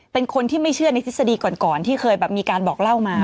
เป็นคนที่ไม่เชื่อในทฤษฎีก่อนที่เคยแบบมีการบอกเล่ามา